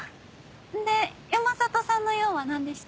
で山里さんの用は何でした？